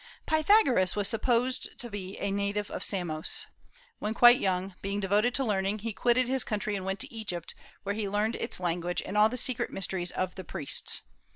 Pythagoras was supposed to be a native of Samos. When quite young, being devoted to learning, he quitted his country and went to Egypt, where he learned its language and all the secret mysteries of the priests.